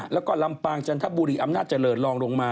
แล้วก็ลำปางจันทบุรีอำนาจเจริญลองลงมา